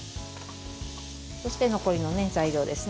そして残りの材料ですね。